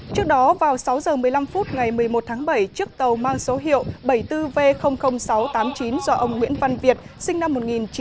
trước đó vào sáu h một mươi năm phút ngày một mươi một tháng bảy chiếc tàu mang số hiệu bảy mươi bốn v sáu trăm tám mươi chín do ông nguyễn văn việt sinh năm một nghìn chín trăm tám mươi